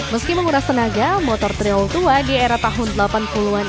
meski menguras tenaga motor trio tua di era tahun delapan puluh an ini